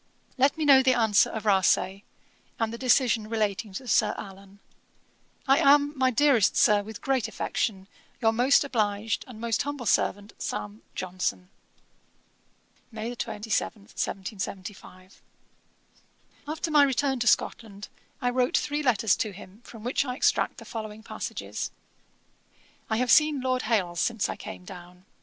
'Let me know the answer of Rasay, and the decision relating to Sir Allan. 'I am, my dearest Sir, with great affection, 'Your most obliged, and 'Most humble servant, 'SAM. JOHNSON.' 'May 27, 1775.' After my return to Scotland, I wrote three letters to him, from which I extract the following passages: 'I have seen Lord Hailes since I came down.